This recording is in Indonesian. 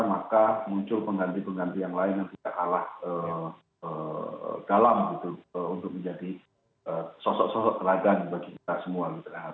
maka muncul pengganti pengganti yang lain yang tidak kalah dalam untuk menjadi sosok sosok teladan bagi kita semua